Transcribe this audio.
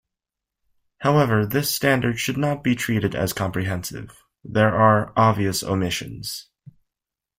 However this standard should not be treated as comprehensive, there are obvious omissions.